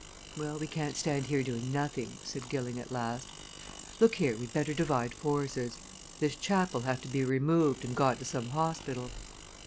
"Well, we can't stand here doing nothing," said Gilling at last. "Look here, we'd better divide forces. This chap'll have to be removed and got to some hospital.